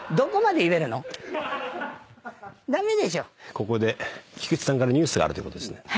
ここで菊地さんからニュースがあるということですね。